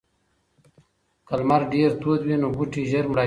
که لمر ډیر تود وي نو بوټي ژر مړاوي کیږي.